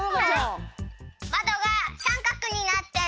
まどがさんかくになってる！